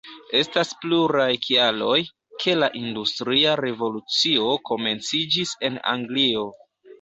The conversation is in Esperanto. Estas pluraj kialoj, ke la industria revolucio komenciĝis en Anglio.